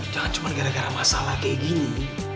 jangan cuma gara gara masalah kayak gini